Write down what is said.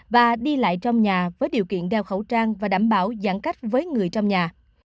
và đi lại trong nhà với điều kiện đeo khẩu trang và đảm bảo giãn cách với người trong nhà